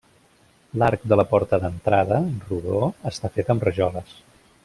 L'arc de la porta d'entrada, rodó, està fet amb rajoles.